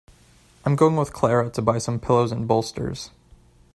I'm going with Clara to buy some pillows and bolsters.